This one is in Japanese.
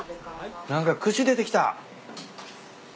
何か串出てきた。